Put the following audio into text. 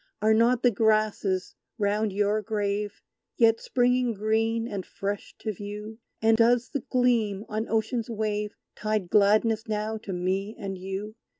Are not the grasses round your grave Yet springing green and fresh to view? And does the gleam on Ocean's wave Tide gladness now to me and you?